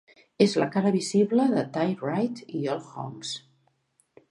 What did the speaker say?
És la cara visible de Tyreright i Allhomes.